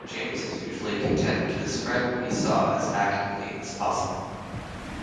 James is usually content to describe what he saw as accurately as possible.